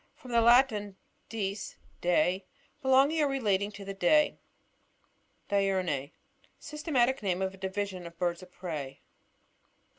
— From the Latin, dieg, day. Belonging or relating to the day. DiuRNiE. — Systematic name of a division of the birds of prey.